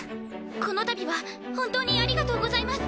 この度は本当にありがとうございます。